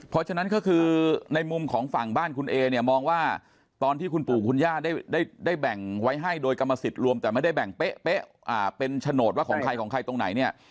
เพราะฉะนั้นก็คือในมุมของฝั่งบ้านคุณเอเนี่ยมองว่าตอนที่คุณปู่คุณย่าได้แบ่งไว้ให้โดยกรรมสิทธิ์รวมแต่ไม่ได้แบ่งเป๊ะเป็นโฉนดว่าของใครของใครตรงไหนเนี่ย